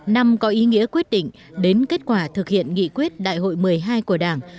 năm có ý nghĩa quyết định đến kết quả thực hiện nghị quyết đại hội một mươi hai của đảng